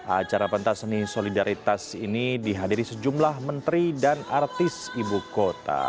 acara pentas seni solidaritas ini dihadiri sejumlah menteri dan artis ibu kota